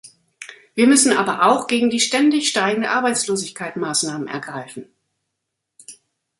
Wir müssen aber auch gegen die ständig steigende Arbeitslosigkeit Maßnahmen ergreifen.